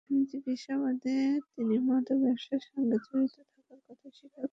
প্রাথমিক জিজ্ঞাসাবাদে তিনি মাদক ব্যবসার সঙ্গে জড়িত থাকার কথা স্বীকার করেছেন।